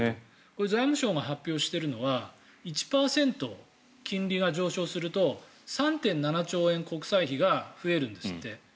財務省が発表しているのは１％金利が上昇すると３．７兆円国債費が増えるんですって。